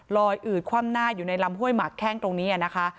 ลอยอืดคว่ำหน้าอยู่ในลำห่วยมักแข้งแขกของนี้นะคะ